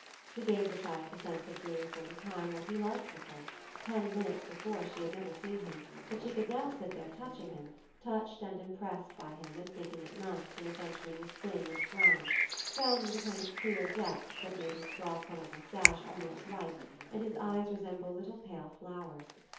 He gave the child the sense of doing for the time what he liked with her; ten minutes before she had never seen him, but she could now sit there touching him, touched and impressed by him and thinking it nice when a gentleman was thin and brown brown with a kind of clear depth that made his straw coloured moustache almost white and his eyes resemble little pale flowers.